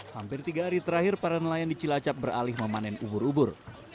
hampir tiga hari terakhir para nelayan di cilacap beralih memanen ubur ubur